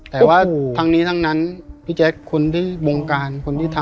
แต่ว่าทั้งนี้ทั้งนั้นพี่แจ๊สคนที่ผมการ